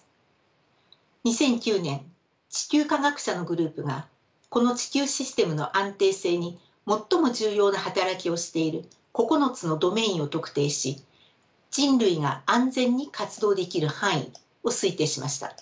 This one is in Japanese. ２００９年地球科学者のグループがこの地球システムの安定性に最も重要な働きをしている９つのドメインを特定し人類が安全に活動できる範囲を推定しました。